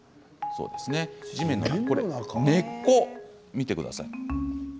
地面の中根っこを見てください。